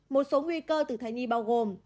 một số nguy cơ từ thai nhi bao gồm